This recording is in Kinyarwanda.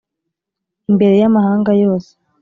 imbere y’amahanga yose.